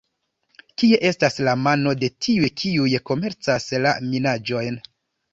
Kie estas la mono de tiuj kiuj komercas la minaĵojn?